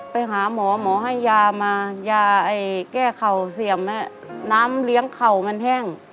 ไปหาหมอหมอให้ยามายาแก้เข่าเสี่ยมน้ำเลี้ยงเข่ามันแห้ง